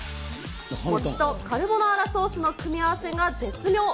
餅とカルボナーラソースの組み合わせが絶妙。